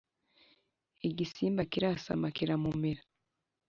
igisimba kirasama kiramumira, :